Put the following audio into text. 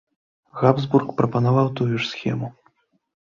Габсбург прапанаваў тую ж схему.